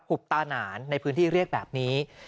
ุบตาหนานในพื้นที่เรียกแบบนี้